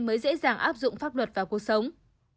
mới dễ dàng áp dụng pháp luật vào cuộc sống